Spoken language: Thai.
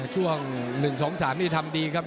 ช่วง๑๒๓นี่ทำดีครับ